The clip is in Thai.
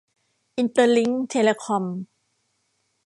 อินเตอร์ลิ้งค์ เทเลคอม